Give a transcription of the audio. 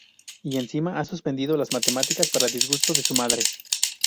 Y encima ha suspendido las matemáticas, para disgusto de su madre.